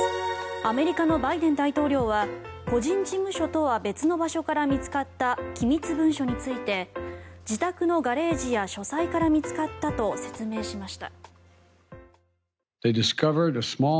アメリカのバイデン大統領は個人事務所とは別の場所から見つかった機密文書について自宅のガレージや書斎から見つかったと説明しました。